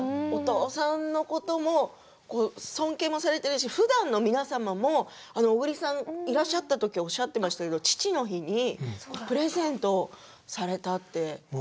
お父さんのことも尊敬もされているしふだんの皆様も小栗さん、いらっしゃったときおっしゃっていましたけど父の日にプレゼントされたって。